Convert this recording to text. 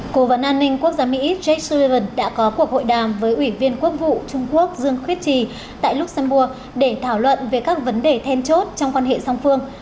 cố vấn an ninh quốc gia mỹ jake sullivan đã có cuộc hội đàm với ủy viên quốc vụ trung quốc dương khuyết trì tại luxembourg để thảo luận về các vấn đề then chốt trong quan hệ song phương